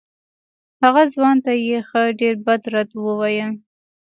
هغه ځوان ته یې ښه ډېر بد رد وویل.